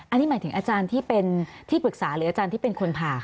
อันนี้หมายถึงอาจารย์ที่เป็นที่ปรึกษาหรืออาจารย์ที่เป็นคนผ่าค่ะ